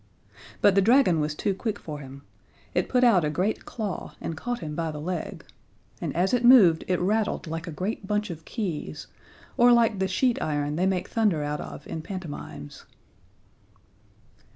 But the dragon was too quick for him it put out a great claw and caught him by the leg, and as it moved it rattled like a great bunch of keys, or like the sheet iron they make thunder out of in pantomimes.